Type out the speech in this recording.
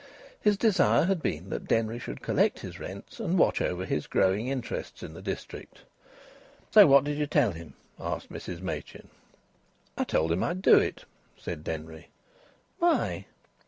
His desire had been that Denry should collect his rents and watch over his growing interests in the district. "So what did you tell him?" asked Mrs Machin. "I told him I'd do it." said Denry. "Why?"